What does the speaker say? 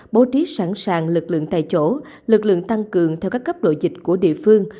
bố trí sẵn sàng lực lượng tại chỗ lực lượng tăng cường theo các cấp độ dịch của địa phương